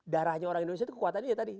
darahnya orang indonesia itu kekuatannya tadi